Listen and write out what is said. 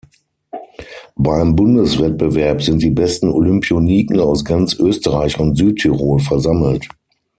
Beim Bundeswettbewerb sind die besten Olympioniken aus ganz Österreich und Südtirol versammelt.